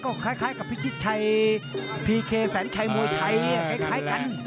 ก็คล้ายกับพิชิตชัยพีเคแสนชัยมวยไทยคล้ายกัน